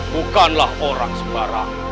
bukanlah orang separa